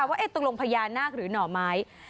ว่าตกลงพญานาคหรือหน่อไม้